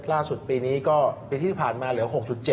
ล่าสุดปีนี้ก็ปีที่ผ่านมาเหลือ๖๗